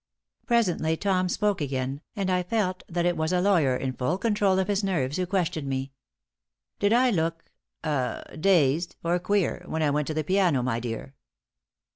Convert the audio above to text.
Presently Tom spoke again, and I felt that it was a lawyer, in full control of his nerves, who questioned me. "Did I look ah dazed or queer when I went to the piano, my dear?"